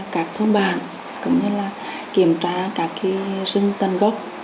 các thông bản cũng như là kiểm tra các dân tân gốc